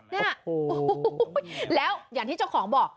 เนี่ยโอ้โหแล้วอย่างที่เจ้าของบอก